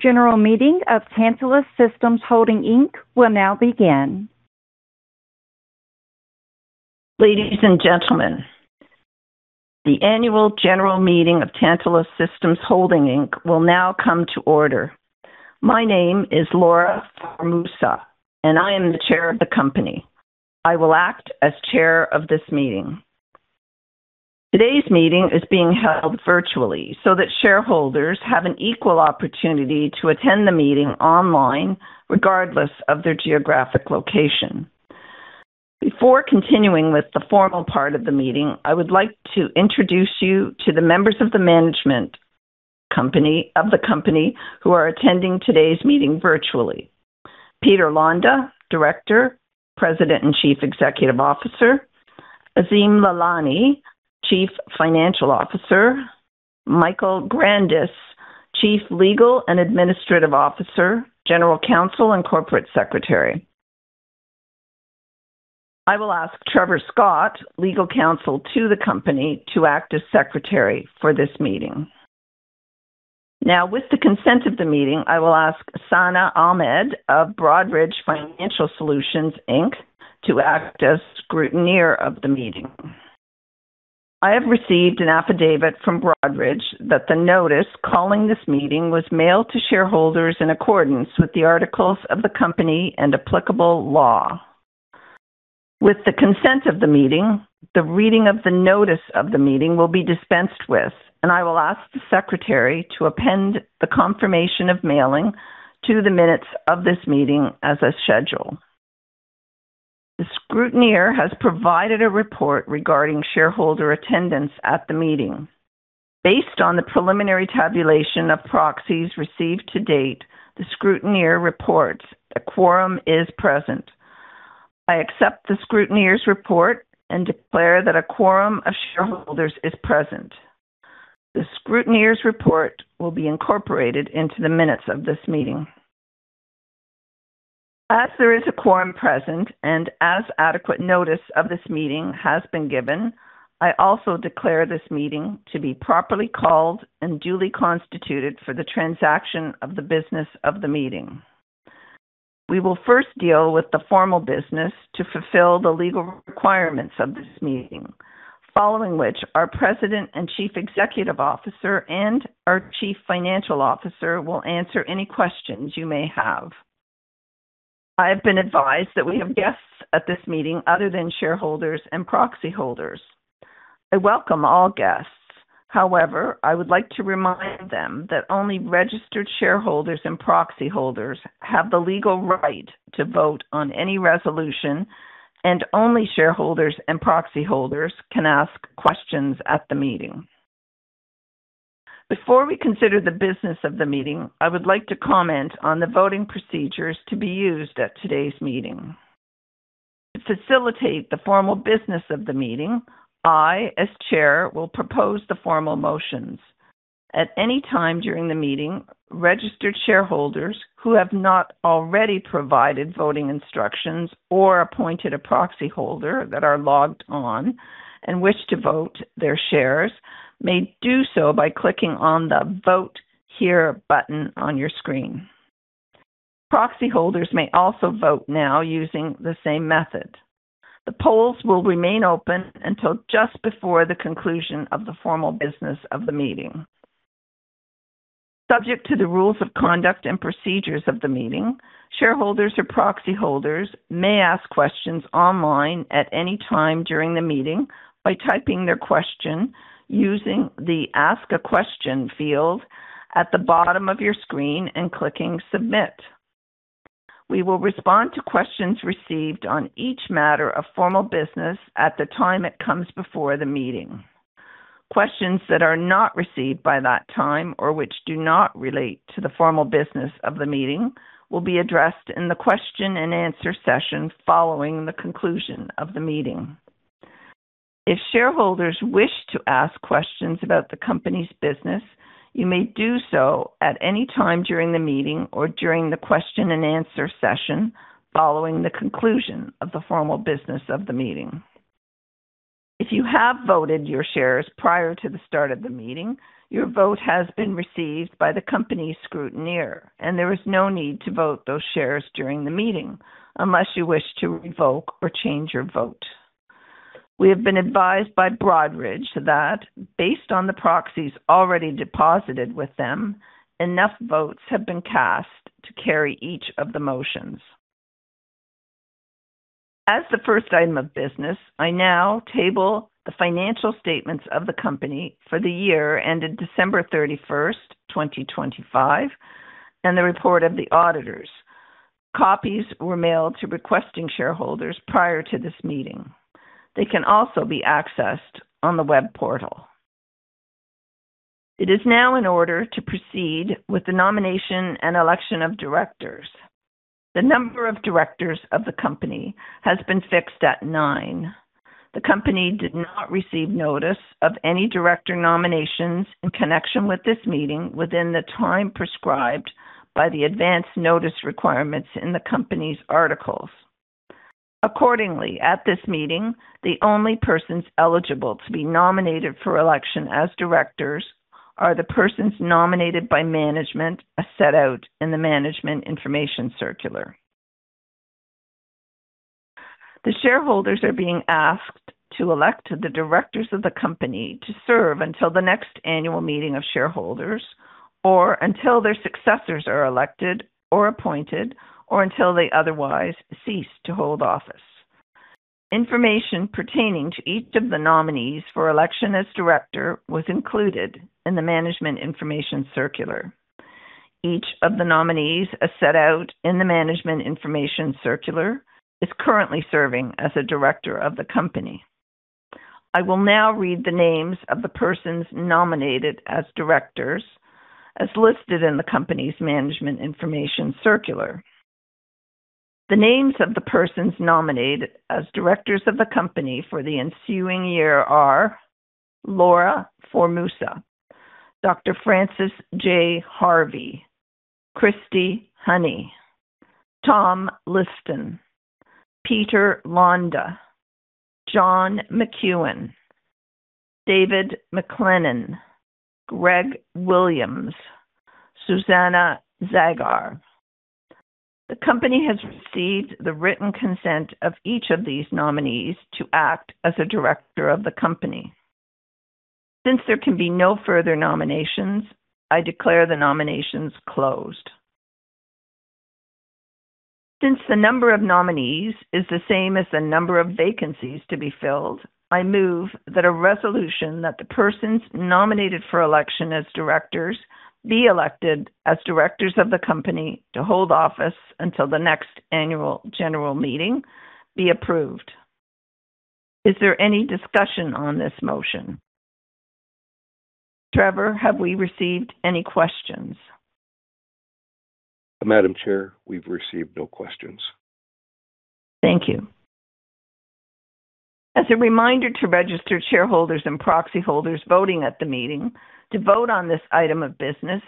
The annual general meeting of Tantalus Systems Holding Inc. will now begin. Ladies and gentlemen, the annual general meeting of Tantalus Systems Holding Inc. will now come to order. My name is Laura Formusa, and I am the Chair of the company. I will act as Chair of this meeting. Today's meeting is being held virtually so that shareholders have an equal opportunity to attend the meeting online, regardless of their geographic location. Before continuing with the formal part of the meeting, I would like to introduce you to the members of the management of the company who are attending today's meeting virtually. Peter Londa, Director, President and Chief Executive Officer. Azim Lalani, Chief Financial Officer. Michael Grandis, Chief Legal and Administrative Officer, General Counsel, and Corporate Secretary. I will ask Trevor Scott, legal counsel to the company, to act as Secretary for this meeting. With the consent of the meeting, I will ask Sana Ahmed of Broadridge Financial Solutions, Inc. to act as scrutineer of the meeting. I have received an affidavit from Broadridge that the notice calling this meeting was mailed to shareholders in accordance with the articles of the company and applicable law. With the consent of the meeting, the reading of the notice of the meeting will be dispensed with, and I will ask the Secretary to append the confirmation of mailing to the minutes of this meeting as a schedule. The scrutineer has provided a report regarding shareholder attendance at the meeting. Based on the preliminary tabulation of proxies received to date, the scrutineer reports a quorum is present. I accept the scrutineer's report and declare that a quorum of shareholders is present. The scrutineer's report will be incorporated into the minutes of this meeting. As there is a quorum present and as adequate notice of this meeting has been given, I also declare this meeting to be properly called and duly constituted for the transaction of the business of the meeting. We will first deal with the formal business to fulfill the legal requirements of this meeting, following which our President and Chief Executive Officer and our Chief Financial Officer will answer any questions you may have. I have been advised that we have guests at this meeting other than shareholders and proxy holders. I welcome all guests. However, I would like to remind them that only registered shareholders and proxy holders have the legal right to vote on any resolution, and only shareholders and proxy holders can ask questions at the meeting. Before we consider the business of the meeting, I would like to comment on the voting procedures to be used at today's meeting. To facilitate the formal business of the meeting, I, as Chair, will propose the formal motions. At any time during the meeting, registered shareholders who have not already provided voting instructions or appointed a proxy holder that are logged on and wish to vote their shares may do so by clicking on the Vote Here button on your screen. Proxy holders may also vote now using the same method. The polls will remain open until just before the conclusion of the formal business of the meeting. Subject to the rules of conduct and procedures of the meeting, shareholders or proxy holders may ask questions online at any time during the meeting by typing their question using the Ask a Question field at the bottom of your screen and clicking Submit. We will respond to questions received on each matter of formal business at the time it comes before the meeting. Questions that are not received by that time or which do not relate to the formal business of the meeting will be addressed in the question and answer session following the conclusion of the meeting. If shareholders wish to ask questions about the company's business, you may do so at any time during the meeting or during the question and answer session following the conclusion of the formal business of the meeting. If you have voted your shares prior to the start of the meeting, your vote has been received by the company scrutineer, and there is no need to vote those shares during the meeting unless you wish to revoke or change your vote. We have been advised by Broadridge that based on the proxies already deposited with them, enough votes have been cast to carry each of the motions. As the first item of business, I now table the financial statements of the company for the year ended December 31st, 2025, and the report of the auditors. Copies were mailed to requesting shareholders prior to this meeting. They can also be accessed on the web portal. It is now in order to proceed with the nomination and election of directors. The number of directors of the company has been fixed at nine. The company did not receive notice of any director nominations in connection with this meeting within the time prescribed by the advance notice requirements in the company's articles. Accordingly, at this meeting, the only persons eligible to be nominated for election as directors are the persons nominated by management, as set out in the management information circular. The shareholders are being asked to elect the directors of the company to serve until the next annual meeting of shareholders, or until their successors are elected or appointed, or until they otherwise cease to hold office. Information pertaining to each of the nominees for election as director was included in the management information circular. Each of the nominees, as set out in the management information circular, is currently serving as a director of the company. I will now read the names of the persons nominated as directors as listed in the company's management information circular. The names of the persons nominated as directors of the company for the ensuing year are Laura Formusa, Dr. Francis J. Harvey, Kristi Honey, Tom Liston, Peter Londa, John McEwen, David McLennan, Greg Williams, Susanna Zagar. The company has received the written consent of each of these nominees to act as a director of the company. Since there can be no further nominations, I declare the nominations closed. Since the number of nominees is the same as the number of vacancies to be filled, I move that a resolution that the persons nominated for election as directors be elected as directors of the company to hold office until the next annual general meeting be approved. Is there any discussion on this motion? Trevor, have we received any questions? Madam Chair, we've received no questions. Thank you. As a reminder to registered shareholders and proxy holders voting at the meeting to vote on this item of business,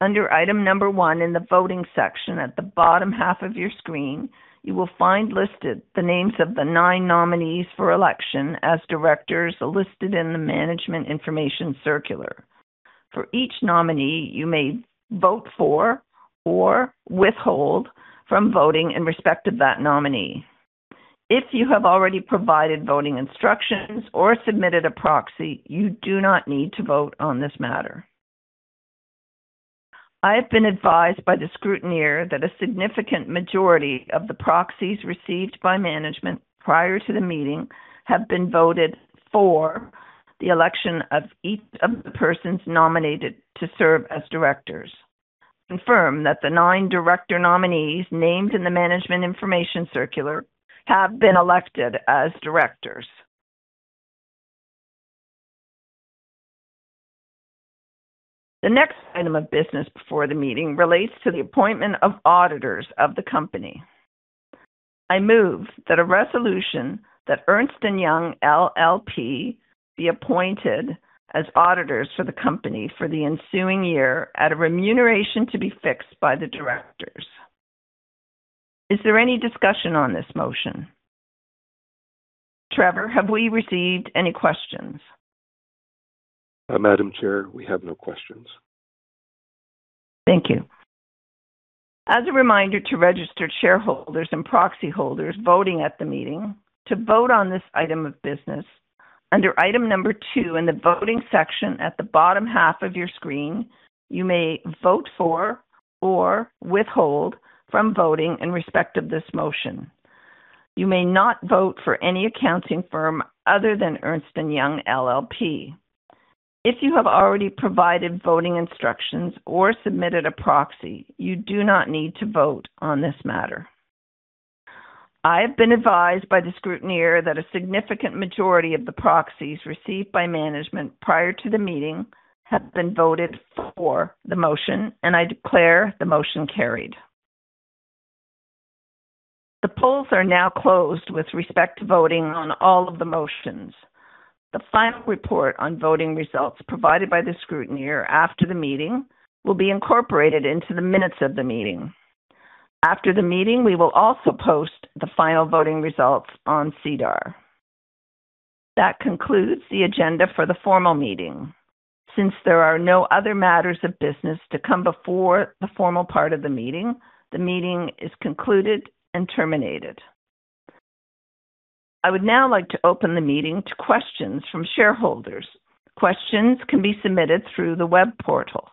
under item number one in the voting section at the bottom half of your screen, you will find listed the names of the nine nominees for election as directors listed in the management information circular. For each nominee, you may vote for or withhold from voting in respect of that nominee. If you have already provided voting instructions or submitted a proxy, you do not need to vote on this matter. I have been advised by the scrutineer that a significant majority of the proxies received by management prior to the meeting have been voted for the election of each of the persons nominated to serve as directors. Confirm that the nine director nominees named in the management information circular have been elected as directors. The next item of business before the meeting relates to the appointment of auditors of the company. I move that a resolution that Ernst & Young LLP be appointed as auditors for the company for the ensuing year at a remuneration to be fixed by the directors. Is there any discussion on this motion? Trevor, have we received any questions? Madam Chair, we have no questions. Thank you. As a reminder to registered shareholders and proxy holders voting at the meeting to vote on this item of business, under item number two in the voting section at the bottom half of your screen, you may vote for or withhold from voting in respect of this motion. You may not vote for any accounting firm other than Ernst & Young LLP. If you have already provided voting instructions or submitted a proxy, you do not need to vote on this matter. I have been advised by the scrutineer that a significant majority of the proxies received by management prior to the meeting have been voted for the motion, and I declare the motion carried. The polls are now closed with respect to voting on all of the motions. The final report on voting results provided by the scrutineer after the meeting will be incorporated into the minutes of the meeting. After the meeting, we will also post the final voting results on SEDAR. That concludes the agenda for the formal meeting. Since there are no other matters of business to come before the formal part of the meeting, the meeting is concluded and terminated. I would now like to open the meeting to questions from shareholders. Questions can be submitted through the web portal.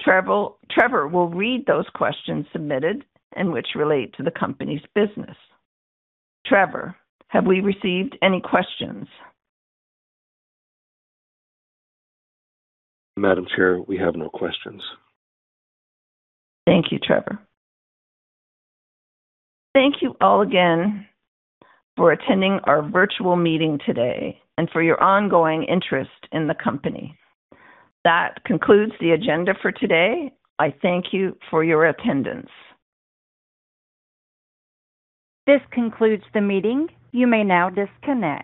Trevor will read those questions submitted and which relate to the company's business. Trevor, have we received any questions? Madam Chair, we have no questions. Thank you, Trevor. Thank you all again for attending our virtual meeting today and for your ongoing interest in the company. That concludes the agenda for today. I thank you for your attendance. This concludes the meeting. You may now disconnect